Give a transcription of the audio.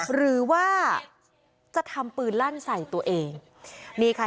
หรือว่าจะทำปืนลั่นใส่ตัวเองนี่ค่ะ